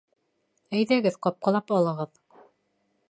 Әйҙәгеҙ ҡапҡылап алығыҙ.